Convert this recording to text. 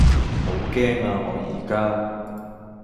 好驚呀我宜家